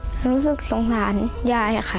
รู้สึกสงสารยายค่ะ